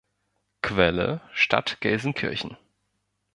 Quelle: Stadt Gelsenkirchen